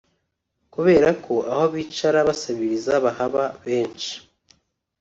Kubera ko aho bicara basabiriza bahaba benshi